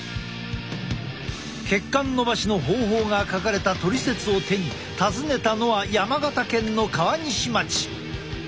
血管のばしの方法が書かれたトリセツを手に訪ねたのは山形県の川西町。